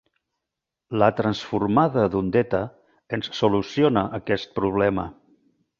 La transformada d'ondeta ens soluciona aquest problema.